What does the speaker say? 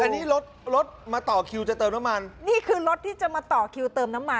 อันนี้รถรถมาต่อคิวจะเติมน้ำมันนี่คือรถที่จะมาต่อคิวเติมน้ำมัน